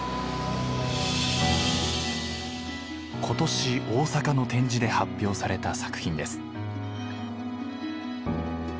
今年大阪の展示で発表された作品です。